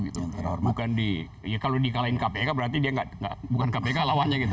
bukan di kalau di kalahin kpk berarti dia bukan kpk lawannya